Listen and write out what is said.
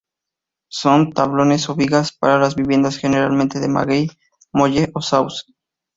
Son tablones o vigas para las viviendas, generalmente de maguey, molle o sauce.